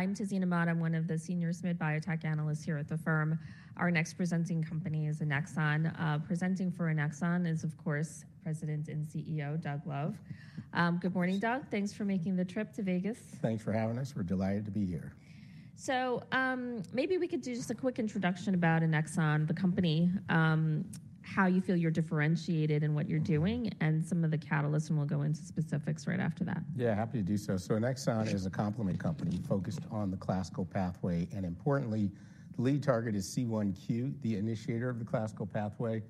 I'm Tazeen Ahmad. I'm one of the senior SMID biotech analysts here at the firm. Our next presenting company is Annexon. Presenting for Annexon is, of course, President and CEO Doug Love. Good morning, Doug. Thanks for making the trip to Vegas. Thanks for having us. We're delighted to be here. Maybe we could do just a quick introduction about Annexon, the company, how you feel you're differentiated in what you're doing, and some of the catalysts. We'll go into specifics right after that. Yeah, happy to do so. So Annexon is a complement company focused on the classical complement pathway. And importantly, the lead target is C1q, the initiator of the classical complement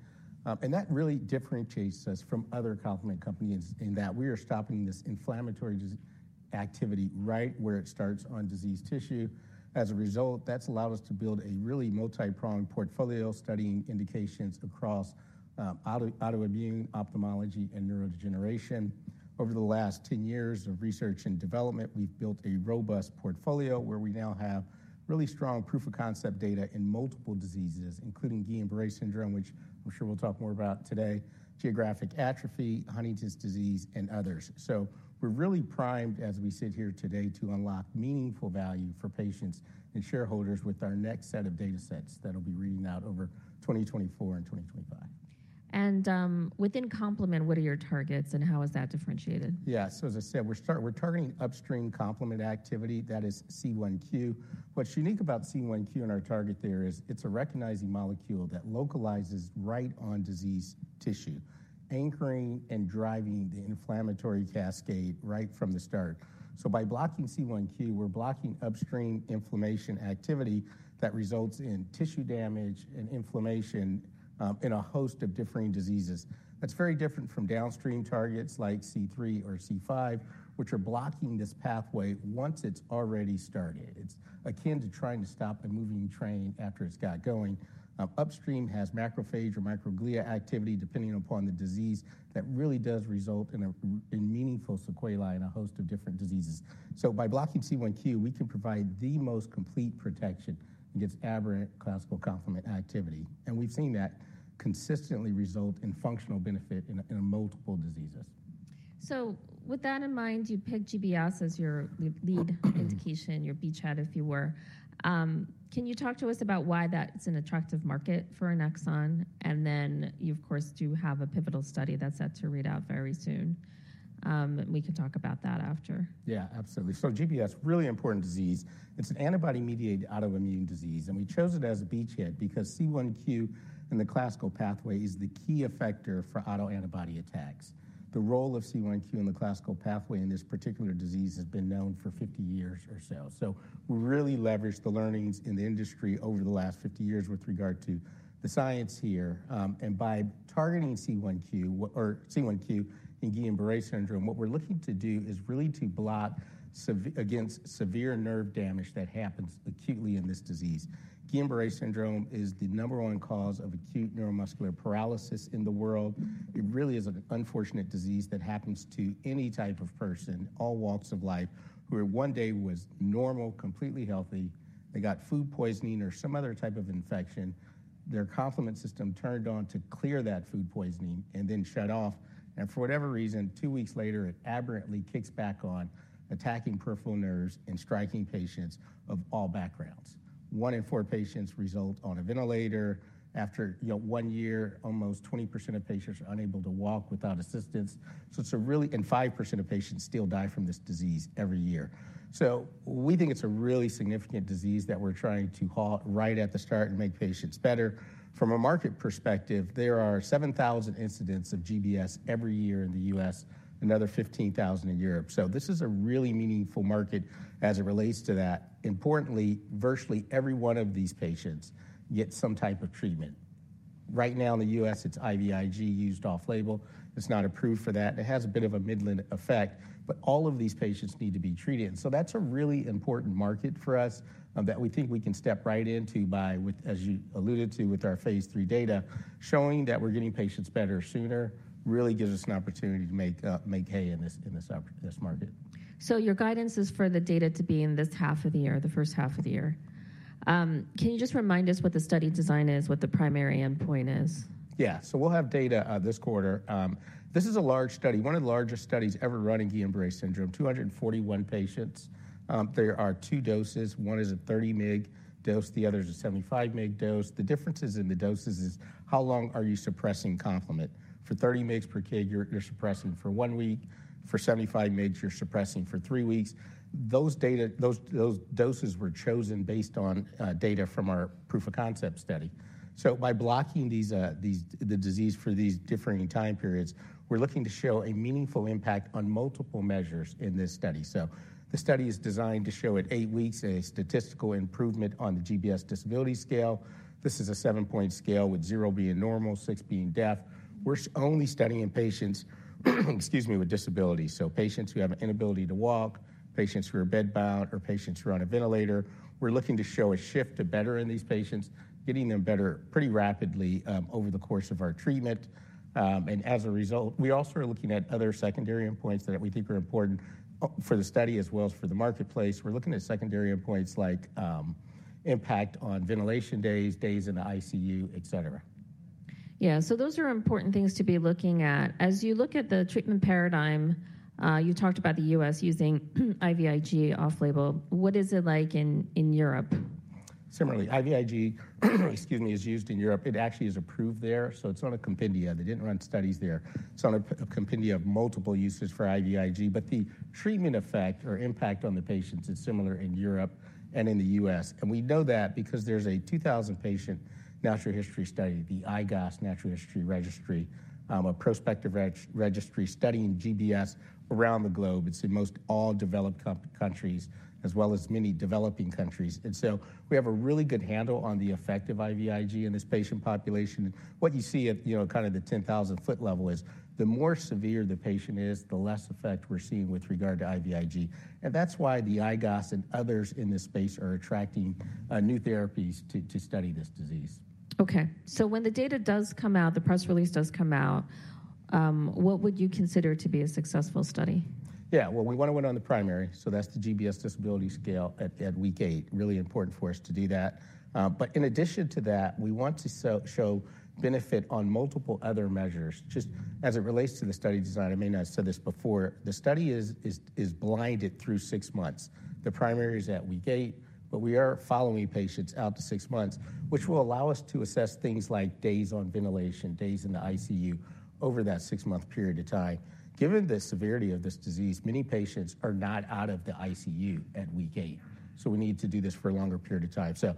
pathway. And that really differentiates us from other complement companies in that we are stopping this inflammatory activity right where it starts on diseased tissue. As a result, that's allowed us to build a really multi-pronged portfolio studying indications across autoimmune, ophthalmology, and neurodegeneration. Over the last 10 years of research and development, we've built a robust portfolio where we now have really strong proof-of-concept data in multiple diseases, including Guillain-Barré syndrome, which I'm sure we'll talk more about today, geographic atrophy, Huntington's disease, and others. So we're really primed, as we sit here today, to unlock meaningful value for patients and shareholders with our next set of data sets that'll be reading out over 2024 and 2025. Within complement, what are your targets, and how is that differentiated? Yeah. So as I said, we're targeting upstream complement activity. That is C1q. What's unique about C1q and our target there is it's a recognizing molecule that localizes right on diseased tissue, anchoring and driving the inflammatory cascade right from the start. So by blocking C1q, we're blocking upstream inflammation activity that results in tissue damage and inflammation in a host of differing diseases. That's very different from downstream targets like C3 or C5, which are blocking this pathway once it's already started. It's akin to trying to stop a moving train after it's got going. Upstream has macrophage or microglia activity, depending upon the disease, that really does result in meaningful sequelae in a host of different diseases. So by blocking C1q, we can provide the most complete protection against aberrant classical complement activity. And we've seen that consistently result in functional benefit in multiple diseases. So with that in mind, you picked GBS as your lead indication, your beachhead if you were. Can you talk to us about why that's an attractive market for Annexon? And then you, of course, do have a pivotal study that's set to read out very soon. We can talk about that after. Yeah, absolutely. So GBS, really important disease. It's an antibody-mediated autoimmune disease. We chose it as a beachhead because C1q in the classical complement pathway is the key effector for autoantibody attacks. The role of C1q in the classical complement pathway in this particular disease has been known for 50 years or so. We really leveraged the learnings in the industry over the last 50 years with regard to the science here. By targeting C1q in Guillain-Barré syndrome, what we're looking to do is really to block against severe nerve damage that happens acutely in this disease. Guillain-Barré syndrome is the number one cause of acute neuromuscular paralysis in the world. It really is an unfortunate disease that happens to any type of person, all walks of life, who one day was normal, completely healthy. They got food poisoning or some other type of infection. Their complement system turned on to clear that food poisoning and then shut off. And for whatever reason, two weeks later, it aberrantly kicks back on, attacking peripheral nerves and striking patients of all backgrounds. One in four patients result on a ventilator. After one year, almost 20% of patients are unable to walk without assistance. And 5% of patients still die from this disease every year. So we think it's a really significant disease that we're trying to halt right at the start and make patients better. From a market perspective, there are 7,000 incidents of GBS every year in the U.S., another 15,000 in Europe. So this is a really meaningful market as it relates to that. Importantly, virtually every one of these patients gets some type of treatment. Right now in the U.S., it's IVIG, used off-label. It's not approved for that. It has a bit of a limited effect. But all of these patients need to be treated. And so that's a really important market for us that we think we can step right into by, as you alluded to with our Phase 3 data, showing that we're getting patients better sooner really gives us an opportunity to make hay in this market. So your guidance is for the data to be in this half of the year, the first half of the year. Can you just remind us what the study design is, what the primary endpoint is? Yeah. So we'll have data this quarter. This is a large study, one of the largest studies ever run in Guillain-Barré syndrome, 241 patients. There are two doses. One is a 30 mg dose. The other is a 75 mg dose. The differences in the doses is how long are you suppressing complement. For 30 mg per kg, you're suppressing for one week. For 75 mg, you're suppressing for three weeks. Those doses were chosen based on data from our proof-of-concept study. So by blocking the disease for these differing time periods, we're looking to show a meaningful impact on multiple measures in this study. So the study is designed to show at eight weeks a statistical improvement on the GBS Disability Scale. This is a seven-point scale with zero being normal, six being dead. We're only studying patients with disabilities. So patients who have an inability to walk, patients who are bedbound, or patients who are on a ventilator. We're looking to show a shift to better in these patients, getting them better pretty rapidly over the course of our treatment. And as a result, we also are looking at other secondary endpoints that we think are important for the study as well as for the marketplace. We're looking at secondary endpoints like impact on ventilation days, days in the ICU, et cetera. Yeah. So those are important things to be looking at. As you look at the treatment paradigm, you talked about the U.S. using IVIG off-label. What is it like in Europe? Similarly, IVIG is used in Europe. It actually is approved there. So it's on a compendia. They didn't run studies there. It's on a compendia of multiple uses for IVIG. But the treatment effect or impact on the patients is similar in Europe and in the U.S. And we know that because there's a 2,000-patient natural history study, the IGOS Natural History Registry, a prospective registry studying GBS around the globe. It's in most all developed countries as well as many developing countries. And so we have a really good handle on the effect of IVIG in this patient population. And what you see at kind of the 10,000-foot level is the more severe the patient is, the less effect we're seeing with regard to IVIG. And that's why the IGOS and others in this space are attracting new therapies to study this disease. OK. So when the data does come out, the press release does come out, what would you consider to be a successful study? Yeah. Well, we want to win on the primary. So that's the GBS Disability Scale at week eight. Really important for us to do that. But in addition to that, we want to show benefit on multiple other measures. Just as it relates to the study design, I may not have said this before. The study is blinded through six months. The primary is at week eight. But we are following patients out to six months, which will allow us to assess things like days on ventilation, days in the ICU over that six month period of time. Given the severity of this disease, many patients are not out of the ICU at week eight. So we need to do this for a longer period of time. So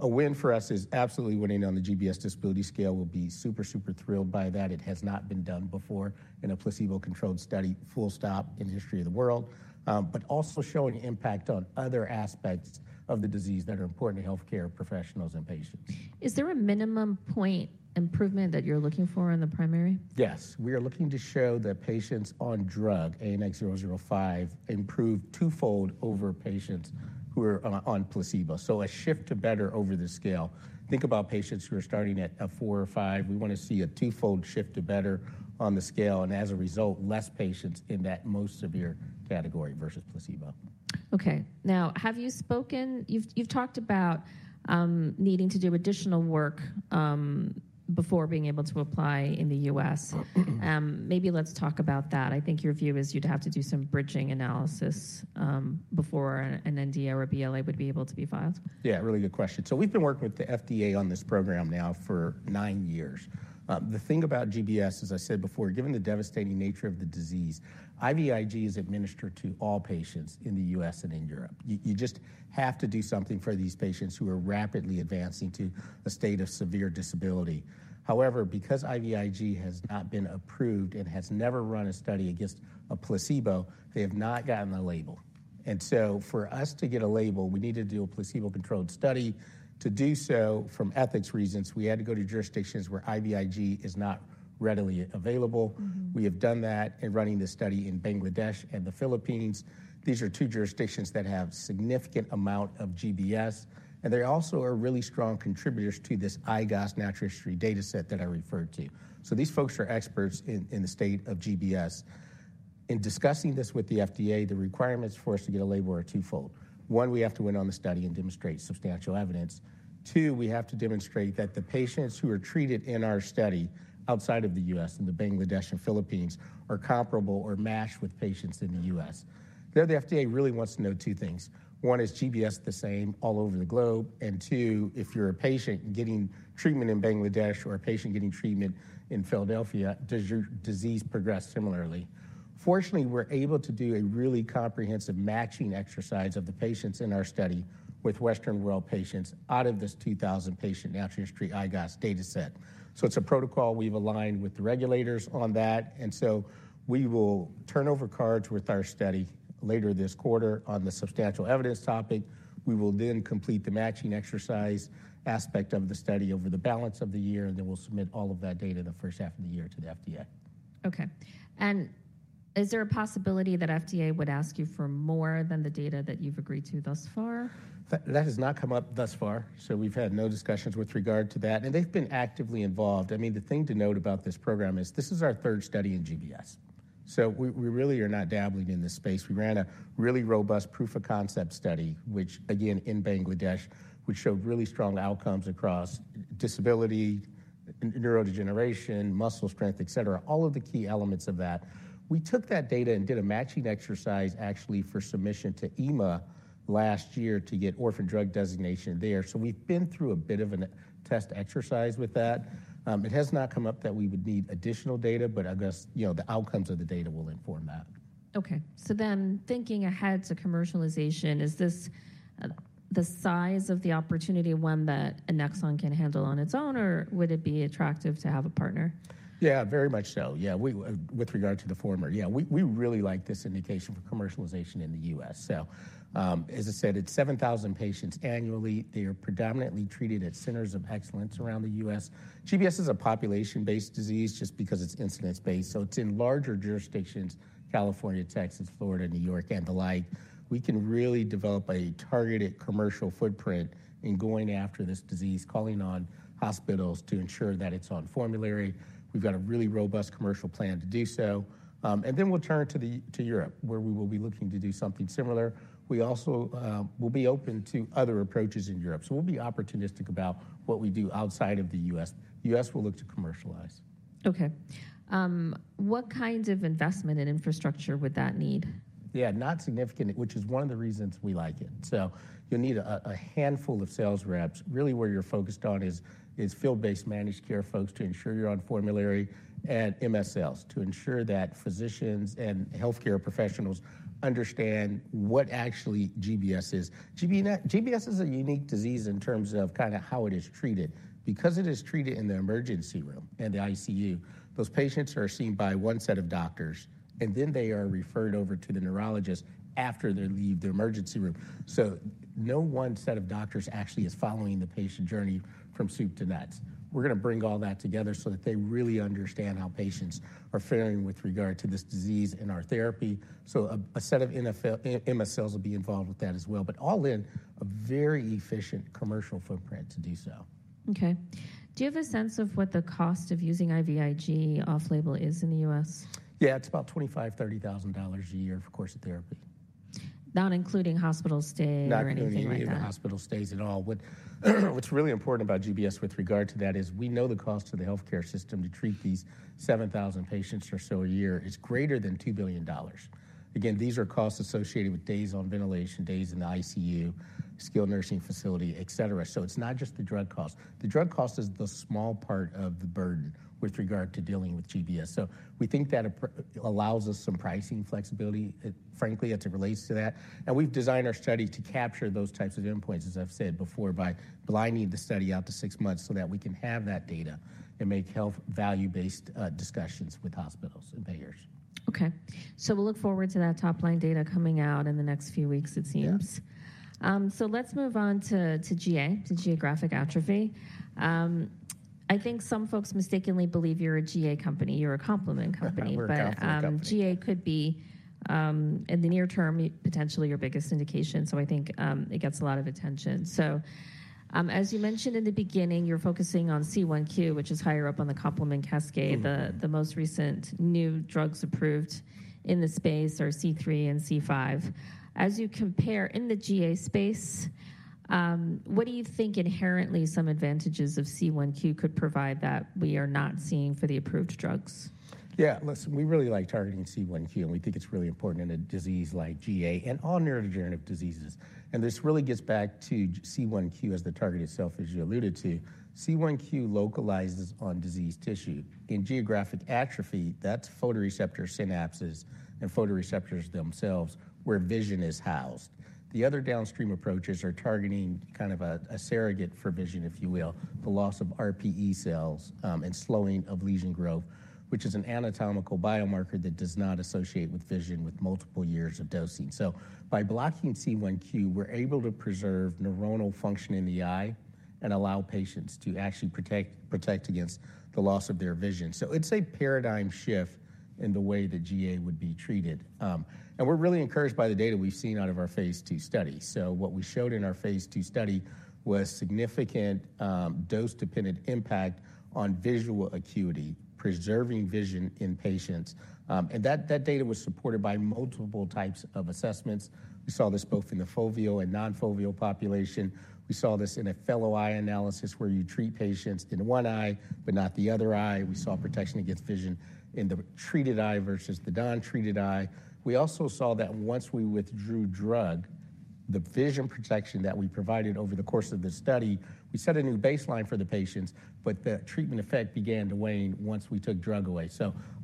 a win for us is absolutely winning on the GBS Disability Scale. We'll be super, super thrilled by that. It has not been done before in a placebo-controlled study, full stop, in the history of the world, but also showing impact on other aspects of the disease that are important to health care professionals and patients. Is there a minimum point improvement that you're looking for in the primary? Yes. We are looking to show that patients on drug ANX005 improve twofold over patients who are on placebo. So a shift to better over the scale. Think about patients who are starting at a four or five. We want to see a twofold shift to better on the scale. And as a result, less patients in that most severe category vs placebo. OK. Now, you've talked about needing to do additional work before being able to apply in the US. Maybe let's talk about that. I think your view is you'd have to do some bridging analysis before an NDA or a BLA would be able to be filed. Yeah, really good question. So we've been working with the FDA on this program now for nine years. The thing about GBS, as I said before, given the devastating nature of the disease, IVIG is administered to all patients in the U.S. and in Europe. You just have to do something for these patients who are rapidly advancing to a state of severe disability. However, because IVIG has not been approved and has never run a study against a placebo, they have not gotten the label. And so for us to get a label, we need to do a placebo-controlled study. To do so, for ethical reasons, we had to go to jurisdictions where IVIG is not readily available. We have done that and running this study in Bangladesh and the Philippines. These are two jurisdictions that have a significant amount of GBS. They also are really strong contributors to this IGOS Natural History data set that I referred to. These folks are experts in the state of GBS. In discussing this with the FDA, the requirements for us to get a label are twofold. One, we have to win on the study and demonstrate substantial evidence. Two, we have to demonstrate that the patients who are treated in our study outside of the U.S., in Bangladesh and the Philippines, are comparable or matched with patients in the U.S. There, the FDA really wants to know two things. One, is GBS the same all over the globe? And two, if you're a patient getting treatment in Bangladesh or a patient getting treatment in Philadelphia, does your disease progress similarly? Fortunately, we're able to do a really comprehensive matching exercise of the patients in our study with Western world patients out of this 2,000 patient natural history IGOS data set. So it's a protocol we've aligned with the regulators on that. And so we will turn over cards with our study later this quarter on the substantial evidence topic. We will then complete the matching exercise aspect of the study over the balance of the year. And then we'll submit all of that data in the first half of the year to the FDA. OK. And is there a possibility that FDA would ask you for more than the data that you've agreed to thus far? That has not come up thus far. We've had no discussions with regard to that. They've been actively involved. I mean, the thing to note about this program is this is our third study in GBS. We really are not dabbling in this space. We ran a really robust proof-of-concept study, which, again, in Bangladesh, which showed really strong outcomes across disability, neurodegeneration, muscle strength, et cetera, all of the key elements of that. We took that data and did a matching exercise actually for submission to EMA last year to get orphan drug designation there. We've been through a bit of a test exercise with that. It has not come up that we would need additional data. But I guess the outcomes of the data will inform that. OK. So then thinking ahead to commercialization, is this the size of the opportunity one that Annexon can handle on its own? Or would it be attractive to have a partner? Yeah, very much so. Yeah, with regard to the former, yeah, we really like this indication for commercialization in the U.S. So as I said, it's 7,000 patients annually. They are predominantly treated at centers of excellence around the U.S. GBS is a population-based disease just because it's incidence-based. So it's in larger jurisdictions, California, Texas, Florida, New York, and the like. We can really develop a targeted commercial footprint in going after this disease, calling on hospitals to ensure that it's on formulary. We've got a really robust commercial plan to do so. And then we'll turn to Europe, where we will be looking to do something similar. We also will be open to other approaches in Europe. So we'll be opportunistic about what we do outside of the U.S. The U.S. will look to commercialize. OK. What kinds of investment and infrastructure would that need? Yeah, not significant, which is one of the reasons we like it. So you'll need a handful of sales reps. Really, where you're focused on is field-based managed care folks to ensure you're on formulary and MSLs to ensure that physicians and health care professionals understand what actually GBS is. GBS is a unique disease in terms of kind of how it is treated. Because it is treated in the emergency room and the ICU, those patients are seen by one set of doctors. And then they are referred over to the neurologist after they leave the emergency room. So no one set of doctors actually is following the patient journey from soup to nuts. We're going to bring all that together so that they really understand how patients are faring with regard to this disease and our therapy. So a set of MSLs will be involved with that as well. But all in, a very efficient commercial footprint to do so. OK. Do you have a sense of what the cost of using IVIG off-label is in the U.S.? Yeah, it's about $25,000-$30,000 a year for a course of therapy. Not including hospital stay or anything like that? Not including even hospital stays at all. What's really important about GBS with regard to that is we know the cost to the health care system to treat these 7,000 patients or so a year is greater than $2 billion. Again, these are costs associated with days on ventilation, days in the ICU, skilled nursing facility, et cetera. So it's not just the drug cost. The drug cost is the small part of the burden with regard to dealing with GBS. So we think that allows us some pricing flexibility, frankly, as it relates to that. And we've designed our study to capture those types of endpoints, as I've said before, by blinding the study out to six months so that we can have that data and make health value-based discussions with hospitals and payers. OK. So we'll look forward to that top-line data coming out in the next few weeks, it seems. So let's move on to GA, to Geographic Atrophy. I think some folks mistakenly believe you're a GA company. You're a complement company. But GA could be, in the near term, potentially your biggest indication. So I think it gets a lot of attention. So as you mentioned in the beginning, you're focusing on C1q, which is higher up on the complement cascade. The most recent new drugs approved in the space are C3 and C5. As you compare in the GA space, what do you think inherently some advantages of C1q could provide that we are not seeing for the approved drugs? Yeah, listen, we really like targeting C1q. We think it's really important in a disease like GA and all neurodegenerative diseases. This really gets back to C1q as the target itself, as you alluded to. C1q localizes on diseased tissue. In Geographic Atrophy, that's photoreceptor synapses and photoreceptors themselves where vision is housed. The other downstream approaches are targeting kind of a surrogate for vision, if you will, the loss of RPE cells and slowing of lesion growth, which is an anatomical biomarker that does not associate with vision with multiple years of dosing. By blocking C1q, we're able to preserve neuronal function in the eye and allow patients to actually protect against the loss of their vision. It's a paradigm shift in the way that GA would be treated. We're really encouraged by the data we've seen out of our Phase 2 study. What we showed in our Phase 2 study was significant dose-dependent impact on visual acuity, preserving vision in patients. That data was supported by multiple types of assessments. We saw this both in the foveal and non-foveal population. We saw this in a fellow eye analysis where you treat patients in one eye but not the other eye. We saw protection against vision in the treated eye vs the non-treated eye. We also saw that once we withdrew drug, the vision protection that we provided over the course of the study, we set a new baseline for the patients. The treatment effect began to wane once we took drug away.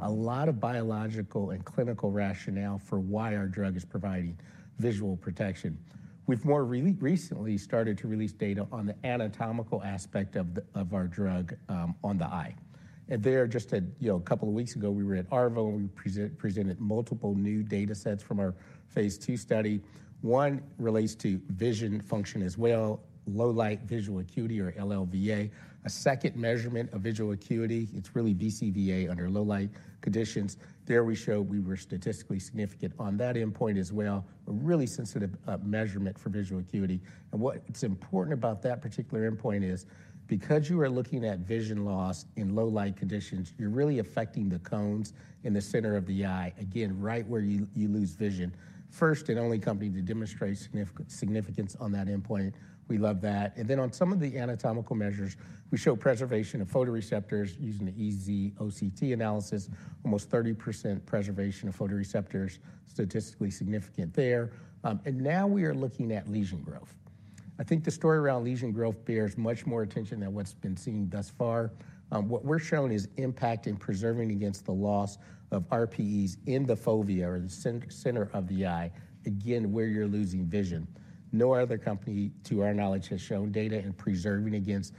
A lot of biological and clinical rationale for why our drug is providing visual protection. We've more recently started to release data on the anatomical aspect of our drug on the eye. There, just a couple of weeks ago, we were at ARVO. We presented multiple new data sets from our Phase 2 study. One relates to vision function as well, low luminance visual acuity or LLVA. A second measurement of visual acuity, it's really BCVA under low light conditions. There, we showed we were statistically significant on that endpoint as well, a really sensitive measurement for visual acuity. What's important about that particular endpoint is because you are looking at vision loss in low light conditions, you're really affecting the cones in the center of the eye, again, right where you lose vision. First and only company to demonstrate significance on that endpoint. We love that. Then on some of the anatomical measures, we show preservation of photoreceptors using the EZ-OCT analysis, almost 30% preservation of photoreceptors, statistically significant there. And now we are looking at lesion growth. I think the story around lesion growth bears much more attention than what's been seen thus far. What we're showing is impact in preserving against the loss of RPEs in the fovea or the center of the eye, again, where you're losing vision. No other company, to our knowledge, has shown data in preserving against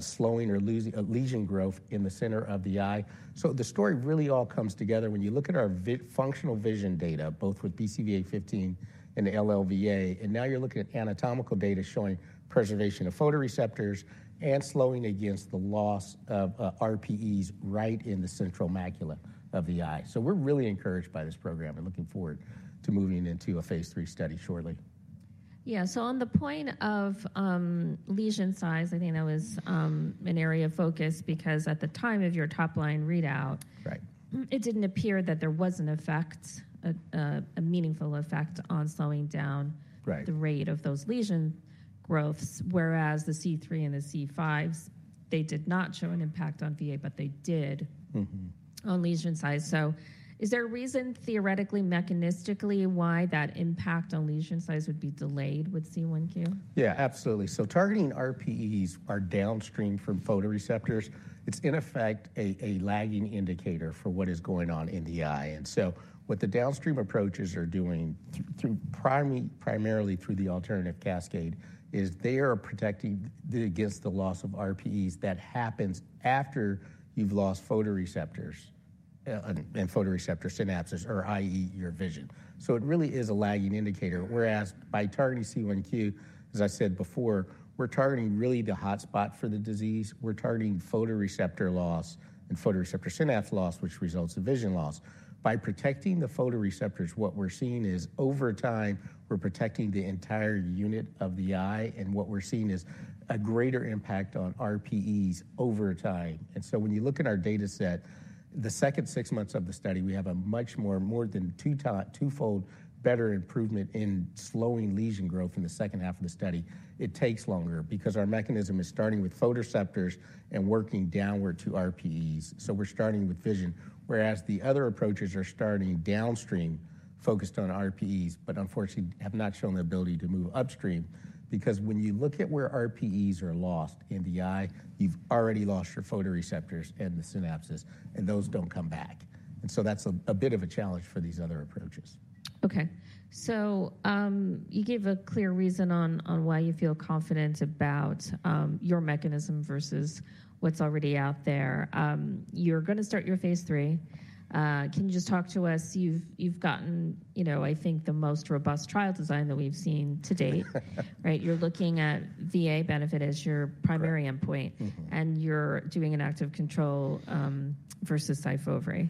slowing or lesion growth in the center of the eye. So the story really all comes together when you look at our functional vision data, both with BCVA-15 and LLVA. And now you're looking at anatomical data showing preservation of photoreceptors and slowing against the loss of RPEs right in the central macula of the eye. So we're really encouraged by this program. We're looking forward to moving into a Phase 3 study shortly. Yeah, so on the point of lesion size, I think that was an area of focus. Because at the time of your top-line readout, it didn't appear that there was an effect, a meaningful effect, on slowing down the rate of those lesion growths. Whereas the C3 and the C5s, they did not show an impact on VA. But they did on lesion size. So is there a reason, theoretically, mechanistically, why that impact on lesion size would be delayed with C1q? Yeah, absolutely. So targeting RPEs are downstream from photoreceptors. It's, in effect, a lagging indicator for what is going on in the eye. And so what the downstream approaches are doing, primarily through the alternative cascade, is they are protecting against the loss of RPEs. That happens after you've lost photoreceptors and photoreceptor synapses, or i.e., your vision. So it really is a lagging indicator. Whereas by targeting C1q, as I said before, we're targeting really the hot spot for the disease. We're targeting photoreceptor loss and photoreceptor synapse loss, which results in vision loss. By protecting the photoreceptors, what we're seeing is, over time, we're protecting the entire unit of the eye. And what we're seeing is a greater impact on RPEs over time. When you look at our data set, the second six months of the study, we have a much more, more than twofold better improvement in slowing lesion growth in the second half of the study. It takes longer because our mechanism is starting with photoreceptors and working downward to RPEs. So we're starting with vision. Whereas the other approaches are starting downstream, focused on RPEs, but unfortunately have not shown the ability to move upstream. Because when you look at where RPEs are lost in the eye, you've already lost your photoreceptors and the synapses. And so that's a bit of a challenge for these other approaches. OK. So you gave a clear reason on why you feel confident about your mechanism vs what's already out there. You're going to start your phase three. Can you just talk to us? You've gotten, I think, the most robust trial design that we've seen to date. You're looking at VA benefit as your primary endpoint. And you're doing an active control vs Syfovre.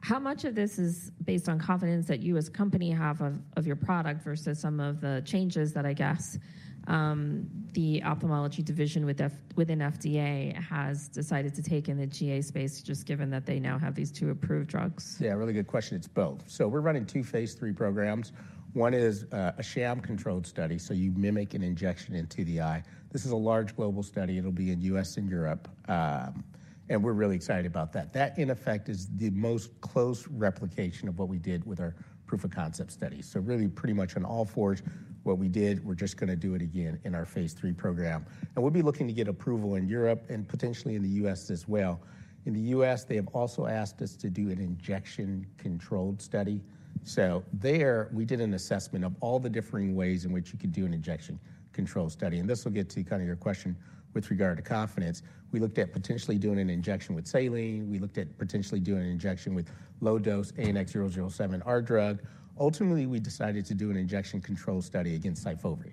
How much of this is based on confidence that you, as a company, have of your product vs some of the changes that, I guess, the ophthalmology division within FDA has decided to take in the GA space, just given that they now have these two approved drugs? Yeah, really good question. It's both. So we're running two Phase 3 programs. One is a sham-controlled study. So you mimic an injection into the eye. This is a large global study. It'll be in the U.S. and Europe. And we're really excited about that. That, in effect, is the most close replication of what we did with our proof of concept study. So really, pretty much on all fours, what we did, we're just going to do it again in our Phase 3 program. And we'll be looking to get approval in Europe and potentially in the U.S. as well. In the U.S., they have also asked us to do an injection-controlled study. So there, we did an assessment of all the differing ways in which you could do an injection-controlled study. And this will get to kind of your question with regard to confidence. We looked at potentially doing an injection with saline. We looked at potentially doing an injection with low-dose ANX007, our drug. Ultimately, we decided to do an injection-controlled study against Syfovre.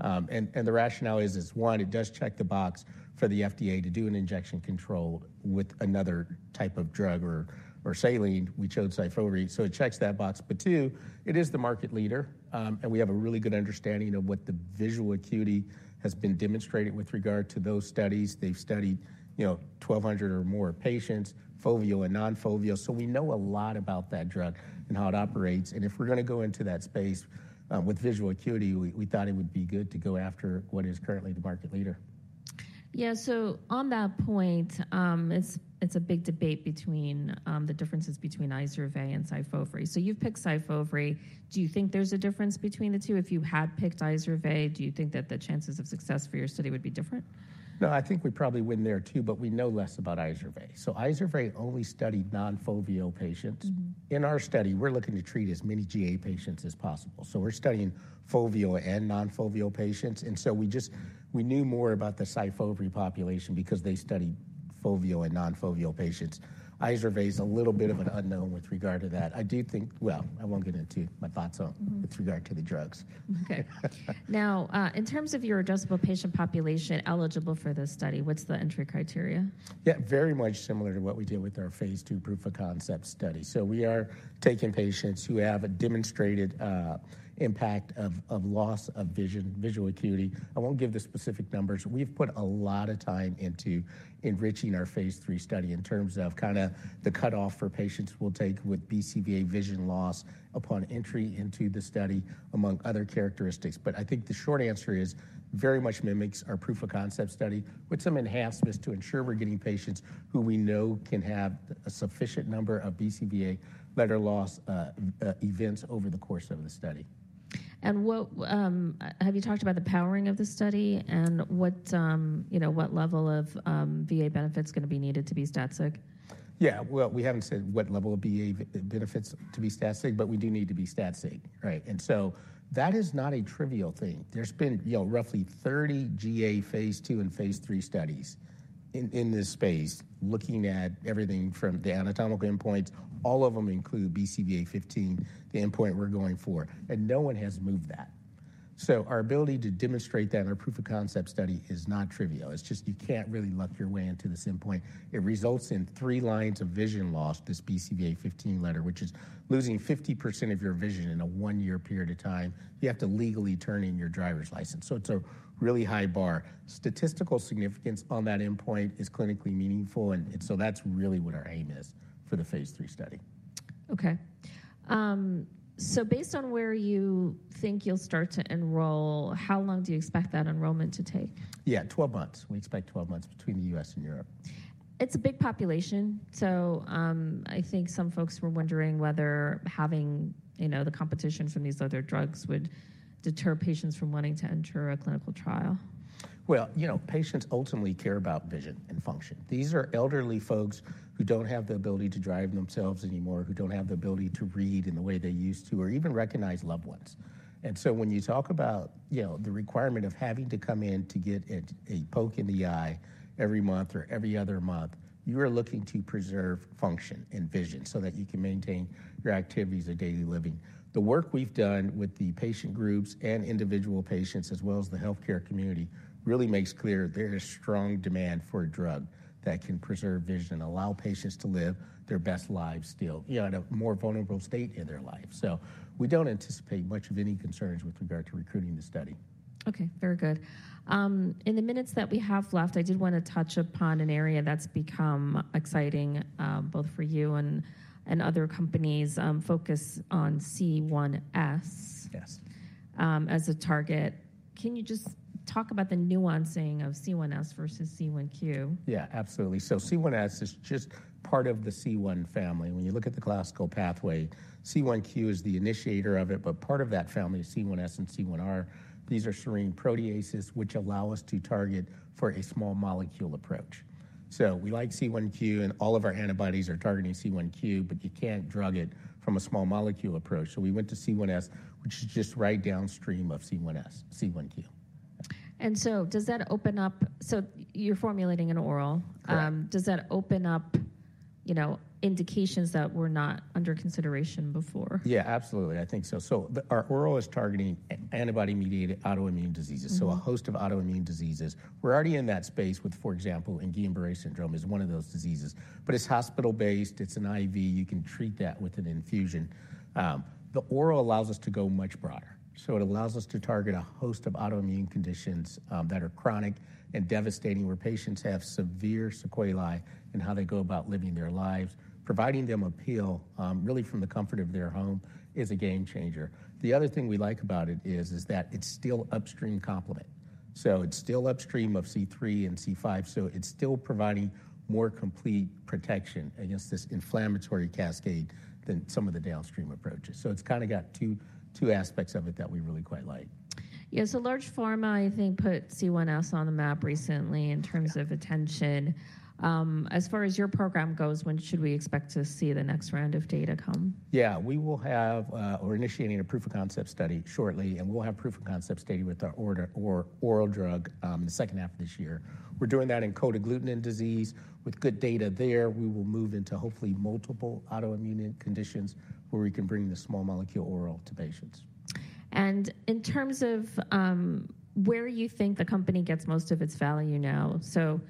The rationale is, one, it does check the box for the FDA to do an injection-controlled with another type of drug or saline. We chose Syfovre. It checks that box. Two, it is the market leader. We have a really good understanding of what the visual acuity has been demonstrated with regard to those studies. They've studied 1,200 or more patients, foveal and non-foveal. We know a lot about that drug and how it operates. If we're going to go into that space with visual acuity, we thought it would be good to go after what is currently the market leader. Yeah, so on that point, it's a big debate between the differences between IZERVAY and SYFOVRE. So you've picked SYFOVRE. Do you think there's a difference between the two? If you had picked IZERVAY, do you think that the chances of success for your study would be different? No, I think we probably wouldn't there too. But we know less about Izervay. So Izervay only studied non-foveal patients. In our study, we're looking to treat as many GA patients as possible. So we're studying foveal and non-foveal patients. And so we knew more about the Syfovre population because they studied foveal and non-foveal patients. Izervay is a little bit of an unknown with regard to that. I do think well, I won't get into my thoughts on with regard to the drugs. OK. Now, in terms of your adjustable patient population eligible for this study, what's the entry criteria? Yeah, very much similar to what we did with our Phase 2 proof of concept study. So we are taking patients who have a demonstrated impact of loss of vision, visual acuity. I won't give the specific numbers. We've put a lot of time into enriching our Phase 3 study in terms of kind of the cutoff for patients we'll take with BCVA vision loss upon entry into the study, among other characteristics. But I think the short answer is very much mimics our proof of concept study with some enhancements to ensure we're getting patients who we know can have a sufficient number of BCVA letter loss events over the course of the study. Have you talked about the powering of the study and what level of VA benefit's going to be needed to be stat-sig? Yeah, well, we haven't said what level of VA benefit's to be stat-sig. But we do need to be stat-sig. And so that is not a trivial thing. There's been roughly 30 GA Phase 2 and Phase 3 studies in this space looking at everything from the anatomical endpoints. All of them include BCVA-15, the endpoint we're going for. And no one has moved that. So our ability to demonstrate that in our proof of concept study is not trivial. It's just you can't really luck your way into this endpoint. It results in three lines of vision loss, this BCVA-15 letter, which is losing 50% of your vision in a year-year period of time. You have to legally turn in your driver's license. So it's a really high bar. Statistical significance on that endpoint is clinically meaningful. That's really what our aim is for the Phase 3 study. OK. So based on where you think you'll start to enroll, how long do you expect that enrollment to take? Yeah, 12 months. We expect 12 months between the U.S. and Europe. It's a big population. So I think some folks were wondering whether having the competition from these other drugs would deter patients from wanting to enter a clinical trial. Well, you know patients ultimately care about vision and function. These are elderly folks who don't have the ability to drive themselves anymore, who don't have the ability to read in the way they used to, or even recognize loved ones. And so when you talk about the requirement of having to come in to get a poke in the eye every month or every other month, you are looking to preserve function and vision so that you can maintain your activities of daily living. The work we've done with the patient groups and individual patients, as well as the health care community, really makes clear there is strong demand for a drug that can preserve vision, allow patients to live their best lives still, at a more vulnerable state in their life. So we don't anticipate much of any concerns with regard to recruiting the study. OK, very good. In the minutes that we have left, I did want to touch upon an area that's become exciting, both for you and other companies, focus on C1s as a target. Can you just talk about the nuancing of C1s vs C1q? Yeah, absolutely. So C1s is just part of the C1 family. When you look at the classical pathway, C1q is the initiator of it. But part of that family is C1s and C1r. These are serine proteases, which allow us to target for a small molecule approach. So we like C1q. And all of our antibodies are targeting C1q. But you can't drug it from a small molecule approach. So we went to C1s, which is just right downstream of C1q. So does that open up so you're formulating an oral. Does that open up indications that were not under consideration before? Yeah, absolutely. I think so. So our oral is targeting antibody-mediated autoimmune diseases, so a host of autoimmune diseases. We're already in that space with, for example, Guillain-Barré syndrome is one of those diseases. But it's hospital-based. It's an IV. You can treat that with an infusion. The oral allows us to go much broader. So it allows us to target a host of autoimmune conditions that are chronic and devastating, where patients have severe sequelae and how they go about living their lives. Providing them a pill, really from the comfort of their home, is a game changer. The other thing we like about it is that it's still upstream complement. So it's still upstream of C3 and C5. So it's still providing more complete protection against this inflammatory cascade than some of the downstream approaches. It's kind of got two aspects of it that we really quite like. Yeah, so large pharma, I think, put C1s on the map recently in terms of attention. As far as your program goes, when should we expect to see the next round of data come? Yeah, we are initiating a proof of concept study shortly. We'll have proof of concept study with our oral drug in the second half of this year. We're doing that in cold agglutinin disease. With good data there, we will move into, hopefully, multiple autoimmune conditions where we can bring the small molecule oral to patients. In terms of where you think the company gets most of its value now, so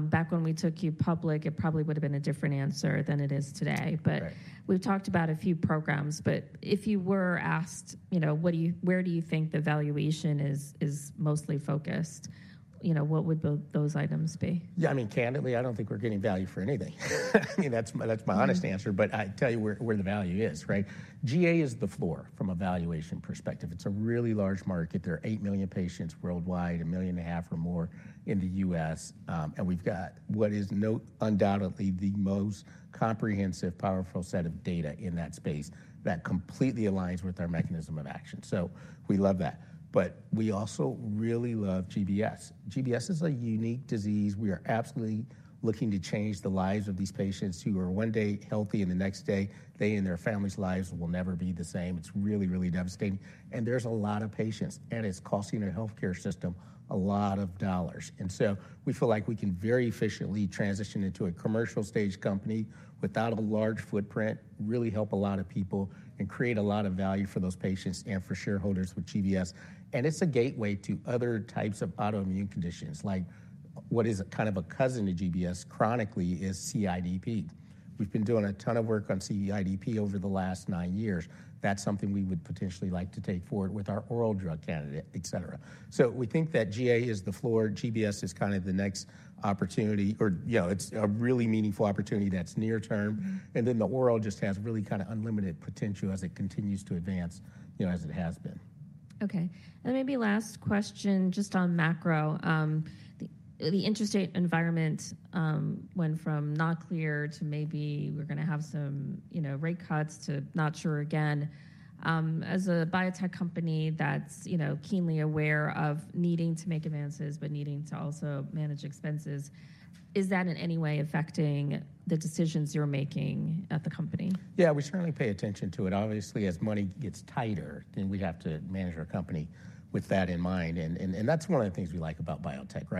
back when we took you public, it probably would have been a different answer than it is today. We've talked about a few programs. If you were asked, where do you think the valuation is mostly focused, what would those items be? Yeah, I mean, candidly, I don't think we're getting value for anything. I mean, that's my honest answer. But I tell you where the value is. GA is the floor from a valuation perspective. It's a really large market. There are 8 million patients worldwide, 1.5 million or more in the U.S. And we've got what is undoubtedly the most comprehensive, powerful set of data in that space that completely aligns with our mechanism of action. So we love that. But we also really love GBS. GBS is a unique disease. We are absolutely looking to change the lives of these patients who are one day healthy. And the next day, they and their families' lives will never be the same. It's really, really devastating. And there's a lot of patients. And it's costing our health care system a lot of dollars. And so we feel like we can very efficiently transition into a commercial stage company without a large footprint, really help a lot of people, and create a lot of value for those patients and for shareholders with GBS. And it's a gateway to other types of autoimmune conditions. Like what is kind of a cousin to GBS chronically is CIDP. We've been doing a ton of work on CIDP over the last nine years. That's something we would potentially like to take forward with our oral drug candidate, et cetera. So we think that GA is the floor. GBS is kind of the next opportunity. Or it's a really meaningful opportunity that's near term. And then the oral just has really kind of unlimited potential as it continues to advance as it has been. OK. And maybe last question just on macro. The interest rate environment went from not clear to maybe we're going to have some rate cuts to not sure again. As a biotech company that's keenly aware of needing to make advances but needing to also manage expenses, is that in any way affecting the decisions you're making at the company? Yeah, we certainly pay attention to it. Obviously, as money gets tighter, then we have to manage our company with that in mind. And that's one of the things we like about biotech.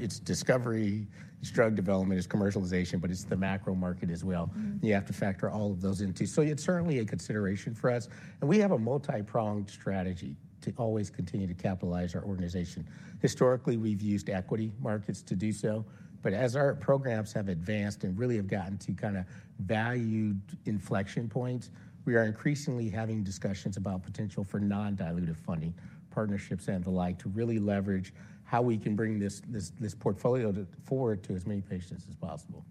It's discovery, it's drug development, it's commercialization. But it's the macro market as well. And you have to factor all of those into. So it's certainly a consideration for us. And we have a multi-pronged strategy to always continue to capitalize our organization. Historically, we've used equity markets to do so. But as our programs have advanced and really have gotten to kind of valued inflection points, we are increasingly having discussions about potential for non-dilutive funding, partnerships, and the like to really leverage how we can bring this portfolio forward to as many patients as possible.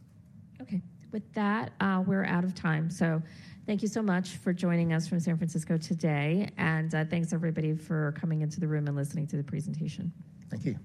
OK. With that, we're out of time. So thank you so much for joining us from San Francisco today. And thanks, everybody, for coming into the room and listening to the presentation. Thank you.